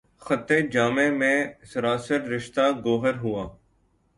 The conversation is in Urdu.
خطِ جامِ مے سراسر، رشتہٴ گوہر ہوا